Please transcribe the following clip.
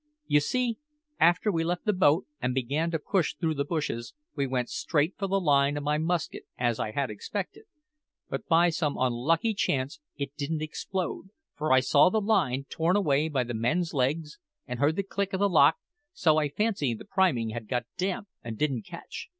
"You see, after we left the boat an' began to push through the bushes, we went straight for the line of my musket, as I had expected. But by some unlucky chance it didn't explode, for I saw the line torn away by the men's legs, and heard the click o' the lock; so I fancy the priming had got damp and didn't catch.